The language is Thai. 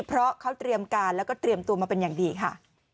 เพราะเขาเตรียมการแล้วก็เตรียมตัวมาเป็นอย่างดีค่ะ